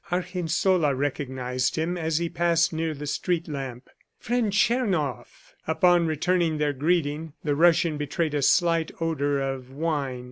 Argensola recognized him as he passed near the street lamp, "Friend Tchernoff." Upon returning their greeting, the Russian betrayed a slight odor of wine.